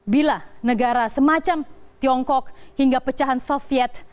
bila negara semacam tiongkok hingga pecahan soviet